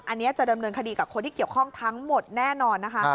อันนี้จะดำเนินคดีกับคนที่เกี่ยวข้องทั้งหมดแน่นอนนะคะ